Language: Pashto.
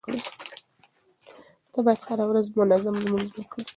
ته بايد هره ورځ منظم لمونځ وکړې.